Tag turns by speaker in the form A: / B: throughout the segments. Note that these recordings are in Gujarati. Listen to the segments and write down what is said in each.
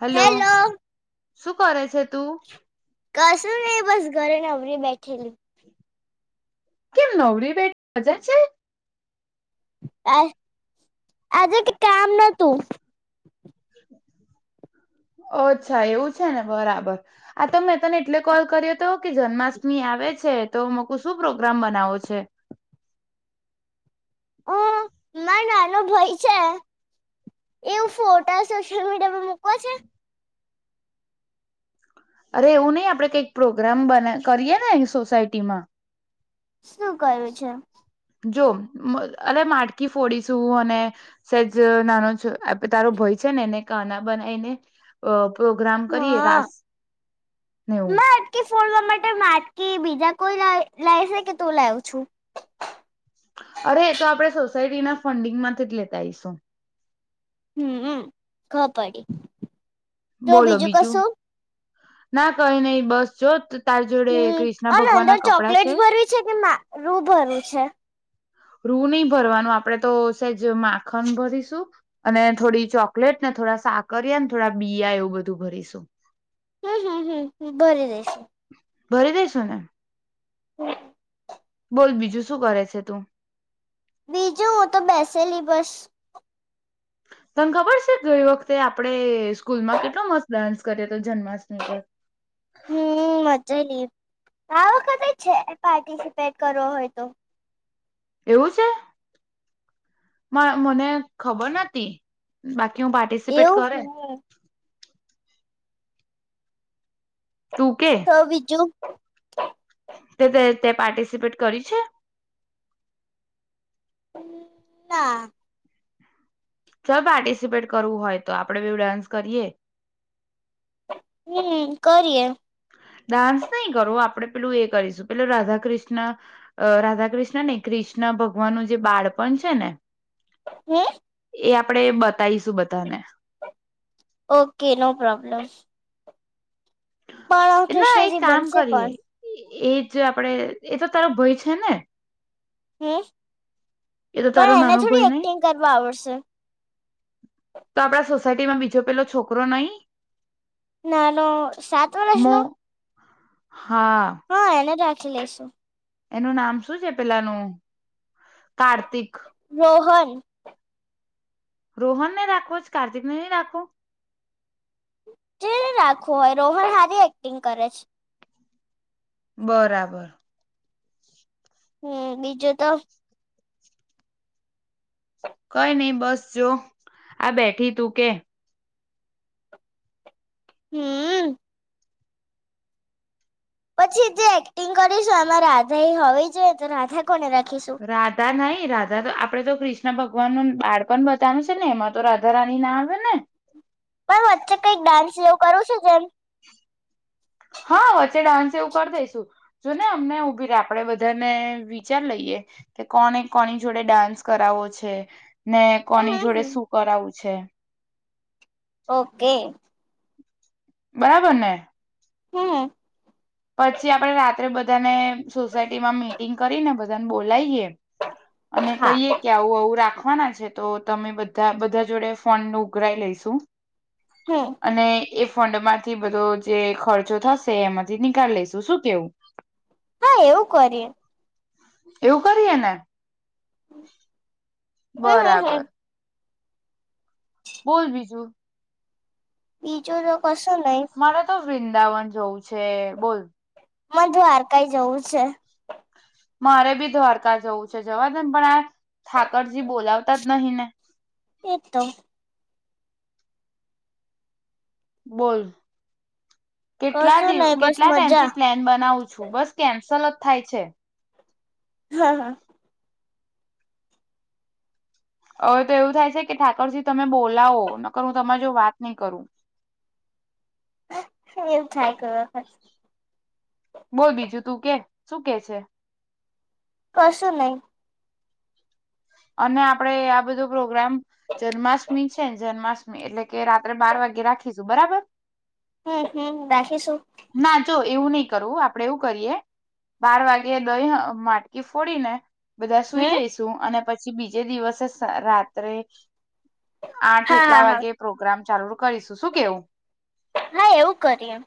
A: હલો
B: હેલો
A: શું કરે છે તું
B: [inaudible] કસું નઈ બસ ઘરે ને નવરી બેઠી ખેલ
A: કેમ નવરી બેટ મજા છે
B: આ આજે કામ ન તું
A: અચ્છા એવું છે ને બરાબર આ તો મેં તને એટલે કોલ કર્યો હતો કે જન્માષ્ટમી આવે છે તો મક શું પ્રોગ્રામ બનાવો છે
B: ઓ મારો નાનો ભાઈ છે એવું ફોટા સોશિયલ મીડિયા પર મકવા છે
A: અરે એવું નહી આપડે કઈક પ્રોગ્રામ બને કરીએ ને સોસાયટીમાં
B: શું કરવુ છે
A: જો અરે માટકી ફોડીશું અને સેજ નાનો તારો ભય છે ને એને કાના બનાઈને અ પ્રોગ્રામ કરીએ રાસ
B: હા
A: નેવું.
B: માટકી ફોડવા માટે માટકી બીજા કોઈ લાય લાય શકે તો લાવ છું.
A: અરે એ તો આપણેે સોસાયટીના ફંડિંગમાંથી જ લેતા આવીઈશું.
B: હમ અમ ખ પડી. તો બીજું કશું?
A: ના કઈ નહી બસ જો ત
B: હમ્મ અન અંદર ચોકલેટ્સ ભરવી છે કે મા રૂ ભરૂ છે?
A: રૂ નહી ભરવાનું આપણેે તો સેજ માખણ ભરીશું અને થોડી ચોકલેટ ને થોડા સાકરિયા ને થોડા બીયા એવું બધું ભરીશું.
B: હમ હમ હમ ભરી દઈશું
A: ભરી દઈસું ને?
B: હમ.
A: બોલ બીજું શું કરે છે તું?
B: બીજું હું તો બેસેલી બસ.
A: તને ખબર છે ગઈ વખતે આપડણે સ્કૂલમાં કેટલો મસ્ત ડાન્સ કર્યો તો જન્માષ્ટમી પર?
B: હમ મચેલી આ વખતે જ છે પાર્ટિસિપેટ કરવો હોય તો.
A: એવું છે? મા-મને ખબર નતી બાકી કું પાર્ટિસિપેટ કરે.
B: એવું
A: તું કે
B: તો બીજું?
A: ત-તે તે પાર્ટિસિપેટ કરી છે?
B: ના.
A: ચાલ પાર્ટિસિપેટ કરવું હોય તો આપડે બેવ ડાન્સ કરીએ.
B: હમ્મ. કરીએે.
A: ડાન્સ નઈ કરવો આપડે પેલું એ કરીશું પેલું રાધા કૃષ્ણ અ રાધા કૃષ્ણ નઈ કૃષ્ણ ભગવાનું જે બાળપણ છે ને
B: હમ?
A: એ આપડે બતાઈશું બધાને.
B: ઓકે. No problem. પણ રામ કૃષ્ણજી બનશે કોણ?
A: એજ આપડે એ તો તારો ભઈ છે ને.
B: હમ.
A: એ તો
B: પણ
A: તારો
B: એને
A: નાનો
B: થોડી
A: ભય નહી
B: એક્ટિંગ કરવા આવડશે.
A: તો આપડા સોસાયટીમાં બીજો પેલો છોકરો નઈ?
B: નાનો સાત વરષનો?
A: હા.
B: ખી લઈશું.
A: એનું નામ શું છે પેલાનું? કાર્તિક.
B: હ
A: રોહનને રાખવો છ કાર્તિકને નઈ રાખવો?
B: રે રઈ રાખવો હોય રોહન હારી એક્ટિંગ કરે છ.
A: બરાબર
B: હમ બીજું તો
A: કઈ નઈ બસ જો આ બેઠી તું કે
B: હમ પછી જે એક્ટિંગ કરીશું આમાં રાધા હોવી જોઈએ તો રાધા કોને રાખીશું
A: રાધા નહી રાધા તો આપડે તો કૃષ્ણ ભગવાન નું બાળપણ બતાનું છે ને એમાં તો રાધા રાની ના આવે ને
B: પણ વચ્ચે કંઈક ડાન્સ જેવું કરું છું જેમ
A: હા ડાન્સ એવું કરી દઈસું જોને અમને ઉભી રે આપડે બધાને વિચાર લઈએ કે કોને કોની જોડે ડાન્સ કરાવો છે ને કોની
B: હમ
A: જોડે
B: હમ
A: શું કરાવું છ છે.
B: ઓકે
A: બરાબર ને
B: હમ
A: પછી આપડે રાત્રે બધાને સોસાયટી માં મિટિંગ કરી ને બ બોલાઈએે અને કહીએ
B: હા
A: કે આવું આવું રાખ વાના છે તો તમે બધા બધા જોડે ફોન ઉઘરાઈ લઈશુ
B: હમ
A: અને એ ફંડ માંથી બધો જે ખર્ચો થશે એમાં થી નનીકાલ લઈશુ શું કેવું
B: હા એવું કરીએ
A: એવું કરીએને
B: હમ હમ હમ
A: બરાબર બોલ બીજું
B: બીજો કસ નહી
A: મારે તો વૃંદાવન જોવું છે બોલ
B: મ દ્વારકાઈ જવું છે.
A: મારે બી દ્વારકા જવું છે જવા દ ને પણ આ ઠાકરજી બોલાવતા જ નહી ને
B: એક તો
A: બોલ કેટલા
B: કશું
A: દિવ
B: નહી બસ
A: કેટલા
B: મજા
A: ટાઈમથી પ્લેન બનાવું છ છું બસ કેન્સલ જ થાય છે
B: હા હા
A: હવે તો એવું થાય છે કે ઠાકરજી તમે બોલાવો ન કર હું તમારે જો વાત નહી કરું
B: એમ થાય કર
A: બોલ બીજું તું કે શું કે છે?
B: કશું નહી.
A: અને આપડે આ બધો પ્રોગ્રામ જન્માષ્ટમી છેને જન્માષ્ટમી એટલે કે રાત્રે બાર વાગ્યે રાખીશું બરાબર.
B: હમ હમ રાખીશું.
A: ના જો એવું નહી કરવું આપડે એવું કરીએ, બાર વાગે દહી માટકી ફોડીને બધા સુઈ
B: હમ
A: જઈશું અને પછી પછી બીજે દિવસે રાત્રે આઠ
B: હા
A: એટલા
B: હા હા
A: વાગે પ્રોગ્રામ ચાલર કરીશું શું કેવું?
B: હા એવું કરી એમ.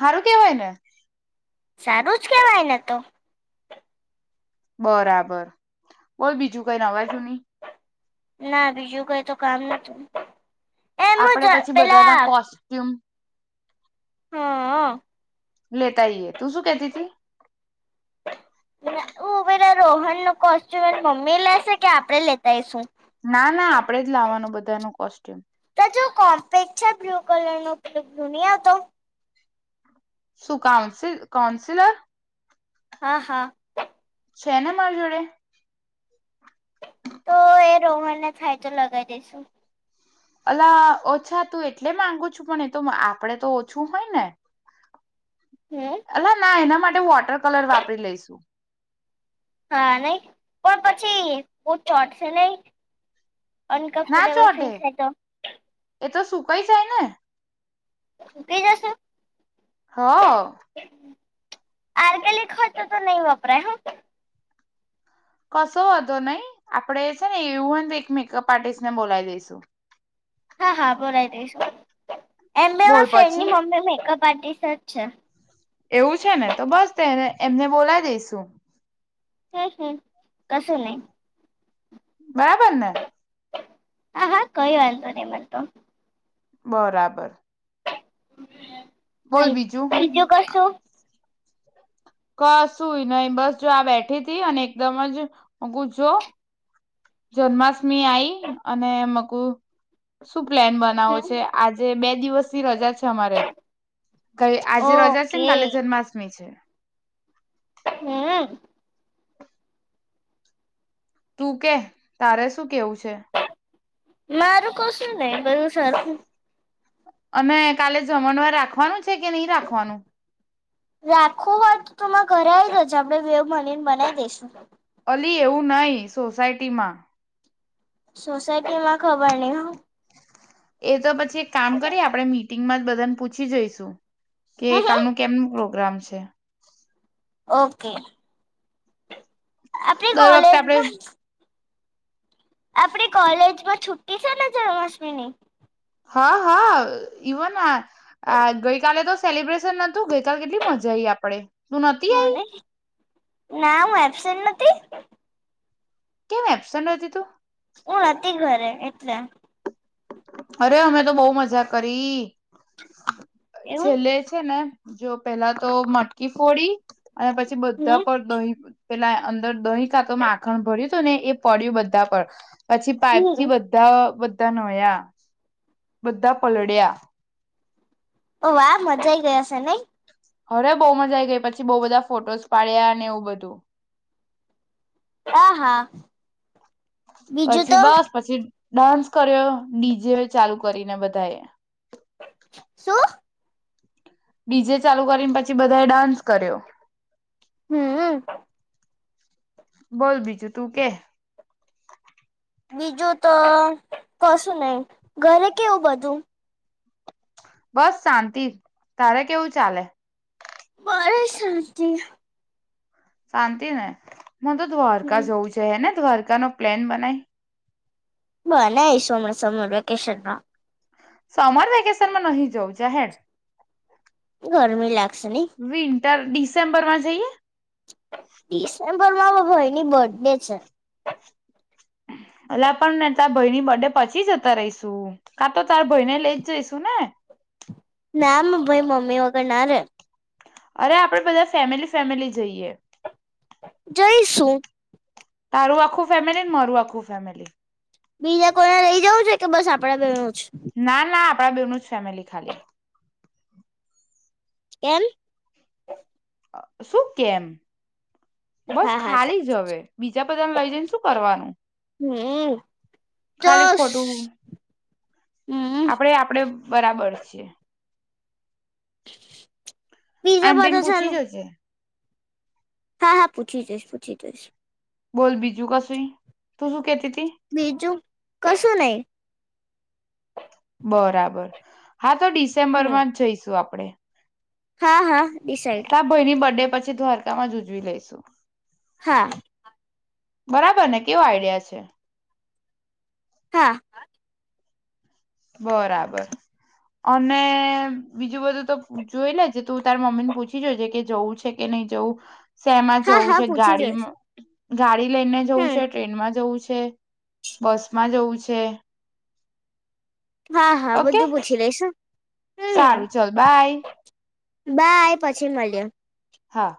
A: હારું કેવાય ને?
B: સારું જ કેવાય ને તો.
A: બરાબર, બોલ બીજું કઈ નવાજું નહી.
B: ના બીજું કઈ તો કામ નતું. એમ જ
A: આપડે પછી
B: પેલા
A: બધાના કોસ્ટ્યુમ
B: હા.
A: લેતા ઈએ તું શું કેતી તી?
B: ઉવેેરા રોહન નું કોસ્ટ્યુમ મમ્મી લેશે કે આપડે લેતાયશું?
A: ના ના આપણેે જ લાવવાનું બધાનું કોસ્ટ્યુમ.
B: તો જો કોમ્પે બ્લુ કલર નો ઉપયોગુન હતો.
A: શું કાઉન્સિ કાઉન્સિલર?
B: હા હા.
A: છે ને મારી જોડે.
B: તો એ રોહનને થાય તો લગાવી દઈશુ.
A: અલા ઓછા તું એટલે માંગુ છુ પણ એતો આપડે તો ઓછું હોય ને.
B: હમ
A: એ ના એના માટે હું વોટર કલર વાપરી લઈશુ.
B: હા નહી પણ પછી બ ચોટશે નહી?
A: ના
B: અનકમફર્ટેબલ ફીલ
A: ચોટે
B: થ તો?
A: એ તો સુકાઈ જાય ને.
B: સુખી જશે?
A: હા.
B: આર્ગેનિક હો તો તો નહી વપરાય હ.
A: કશો નહી આપડે છે ને એવું જ એક મેકઅપ આર્ટિસ્ટને બોલાવી દઈશુ.
B: હા હા બોલાય દઈશું. એમ બે
A: બોલ પછી
B: ફ્રેન્ડની મમ્મી પાર્ટીસ છે.
A: એવું છે ને તો બસ તેને એમને બોલાવી દઈશુ.
B: હમ હમ, કસ નહી.
A: બરાબર ને.
B: હા હા કઈ વાંધો નહી મનેતો
A: બરાબર.
B: હમ બીજું કશું
A: ક સુું નહી બસ જો આ બેઠી હતીથી અને એકદમ જ મો કુંજો જન્માષ્ટમી આઈ અને મકું શું પ્લેન બનાવો
B: હમ
A: છે આજે બે દિવસની રજા છે અમારે કઈ આજે રજા છે ને
B: ઓકે
A: કાલે જન્માષ્ટમી છે.
B: હમ
A: તું કે તારે શું કેવું છે.
B: મારું કો શું નહી બધું સરારું
A: અને કાલે જમણવાર રાખવાનું છે કે નહી રાખવાનું
B: રાખું વાત તોમાં ઘરે આવી જજ આપડે બે મલીન બનાવી દઈશું
A: પલી એવું નહી સોસાયટીમાં
B: સોસાયટી માં ખબર નહીં હ
A: એ તો પછી જે કામ કરીએ આપડે મી મીટિંગમાં જ બધાને પૂછી જઈશું કે કાલનું કેમ પ્રો ગ્રામ છે.
B: ઓકે આપણી
A: દર વખતે
B: કોલેજ
A: આપણે
B: આપડી કોલેજમાં છુ્ટી છે ને જન્માષ્ટમીની
A: હ હા ઈવો ના આ ગઈકાલે તો સેલિબ્રેશન તું ગઈતા કેટલી મજા આવીઈ આપડે તું નથી
B: હા
A: આઈ
B: ને ના હું એબસેન્ટ નથી
A: કેમ એપ્સન્ટ હતી તું
B: હું નથી ઘરે એટલે
A: અરે અમે તો બહુ મજા કરી
B: એવું
A: છેલ્લે છે ને જો પેલા તો મટકી ફોડી અને પછી બધા
B: હમ
A: પણ દહી પેલા અંદર દોહી ત તો માખણ ભરી ને એ પડ્યું બધા પર પછી પાઈપ થી
B: હમ
A: બધા તનયા બધા પલળ્યા
B: ઓ વાહ મજા આય ગય હશે ને.
A: અરે બહુ મજા આવી ગઈ પછી બહુ બધા ફોટોસ પાડ્યા નર એવું બધું.
B: હા હા, બીજું
A: પછી
B: તો.
A: બસ પછી ડાન્સ કર્યો ડીજે ચાલુ કરીને બધા એ.
B: શું?
A: ડીજે ચાલુ કરીને પછી બધાએ ડાન્સ કર્યો.
B: હમ.
A: બોલ બીજું તું કે.
B: બીજું તો કશું નહી, ઘરે કેવું બધું?
A: બસ શાંતિ તારે કેવું ચાલે?
B: ઘરે શાંતિ.
A: શાંતિ ને? હું તો દ્વારકા
B: હમ
A: જઉ છે હે ને. દ્વારકા નો પ્લેન બનાય.
B: બને આઇશું સમર વેકેશનમાં.
A: સમર વેકેશન માં નહી જઉં જાહેર.
B: [unintelligible]
A: વિન અત્યારે ડિસેમ્બર માં જઈએ?
B: ડિસેમ્ માર ભાઈની બર્થડે છે.
A: એટલે પણ ને તારા ભાઈ ની બર્થડે પછી જતા રહીશું, કા તો તારા ભાઈ ને લઈ જ જઈશુ ને.
B: ના માર ભાઈ મમ્મી વગર ના રે.
A: અરે આપડે બધા ફેમિલી ફેમિલી જઈએ.
B: જયશું.
A: મારું આખું ફેમિલી ને મારું આખું ફેમિલી.
B: બીજા કોઈને લઈ જવું છે કે બસ આપડા? જ
A: ના ના આપ બેનું જ ફેમિલી ખાલી.
B: કેમ?
A: શું કેમ? બસ
B: હા હા
A: ખાલી જ હવે બીજા બધાને લઈ જઈને શું કરવાનું,
B: હમ તો
A: ખાલી ખોટું.
B: હમ
A: આપડે આપડે બરાબર છીએ.
B: બીજા
A: આંટીને
B: બધા ચલે.
A: પૂછી જોજે
B: હા હા પૂછી જોઈશ પૂછી જોઈશ.
A: બોલ બીજું કશું, તું શું કેત
B: બીજું કશું નહી.
A: બરાબર. હા તો
B: હમ
A: ડિસેમ્બરમાં જઈશું આપ આપડે.
B: હા હા ડિસાઈડ
A: ત ભાઈની બર્ડે પછી પછી દ્વારકામાં જ ઉજવી લઈશું.
B: હા
A: બરાબર ને કેવો આઈડિયા છે.
B: હા
A: બરાબર અને બીજું બધું તો જોઈ લેજે તું તારે મમ્મી ને પૂછી જોજે કે જવું છે કે નહી જવું. શેમાં
B: હા
A: જવું
B: હા
A: છે
B: પૂછી જોઈશ
A: ગાડીમાં ગાડી લય ને જવું છે
B: હમ
A: ટ્રેન માં જવું છે. કે બસ માં જવું છે.
B: હા હા
A: ઓકે
B: બધું પૂછી લઈશું. હમમ
A: સારું ચલ બાય
B: બાય પછી મળ્યે.
A: હા